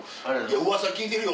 うわさ聞いてるよ